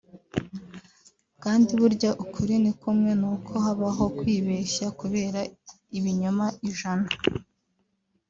kandi burya ukuri ni kumwe nubwo habaho kwibeshya kubera ibinyoma ijana